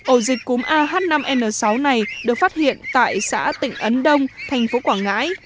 ổ dịch cúm ah năm n sáu này được phát hiện tại xã tịnh ấn đông thành phố quảng ngãi